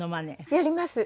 やります。